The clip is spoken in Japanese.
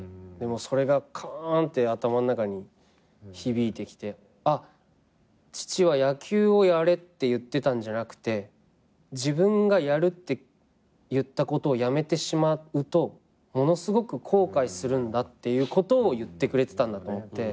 それがカンって頭の中に響いてきてあっ父は野球をやれって言ってたんじゃなくて自分がやるって言ったことを辞めてしまうとものすごく後悔するんだっていうことを言ってくれてたんだと思って。